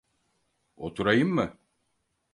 Oturayım mı?